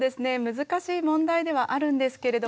難しい問題ではあるんですけれども。